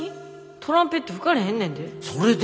トランペット吹かれへんねんで。